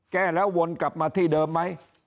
แก้แล้ววนกลับมาที่เดิมไหม